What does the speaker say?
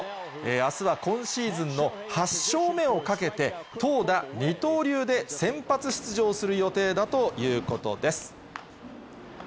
あすは今シーズンの８勝目を懸けて、投打二刀流で先発出場する予定だということです。